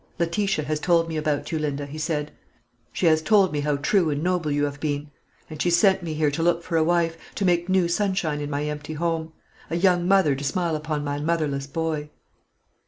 "Letitia has told me about you, Linda," he said; "she has told me how true and noble you have been; and she sent me here to look for a wife, to make new sunshine in my empty home, a young mother to smile upon my motherless boy."